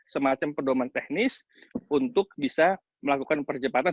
semacam pedoman teknis untuk bisa melakukan percepatan